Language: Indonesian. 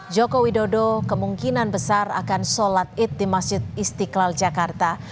joko widodo kemungkinan besar akan sholat id di masjid istiqlal jakarta